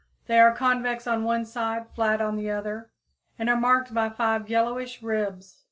They are convex on one side, flat on the other, and are marked by five yellowish ribs.